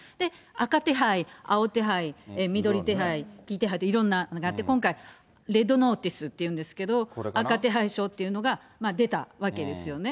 赤手配、青手配、緑手配、黄手配って、いろんなのがあって、今回、レッドノーティスっていうんですけど、赤手配書っていうのが出たわけですよね。